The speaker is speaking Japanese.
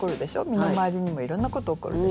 身の回りにもいろんなこと起こるでしょ。